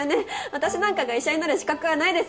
私なんかが医者になる資格はないですよね。